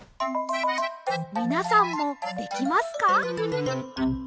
みなさんもできますか？